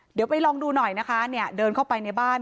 เดี๋ยวไปลองดูหน่อยนะคะเนี่ยเดินเข้าไปในบ้าน